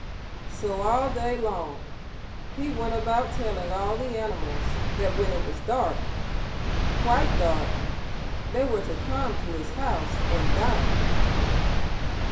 So all day long he went about telling all the animals that when it was dark quite dark they were to come to his house and dine.